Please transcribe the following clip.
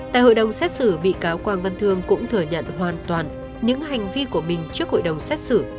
tại hội đồng xét xử bị cáo quang văn thương cũng thừa nhận hoàn toàn những hành vi của mình trước hội đồng xét xử